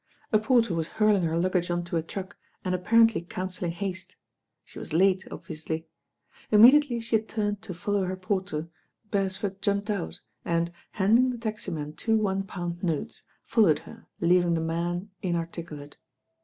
A porter was hurling her luggage on to a truck and apparently counselling haste. She was late, obviously. Immediately she had turned to follow her por ter, Beresford jumped out and, handing the taxi man two one pound notes, followed her, leaving the man marticulate.